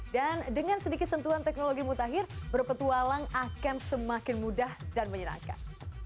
dan dengan sedikit sentuhan teknologi mutakhir berpetualang akan semakin mudah dan menyenangkan